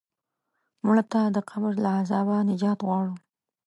مړه ته د قبر له عذابه نجات غواړو